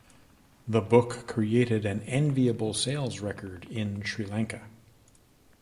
The book created an enviable sales record in Sri Lanka.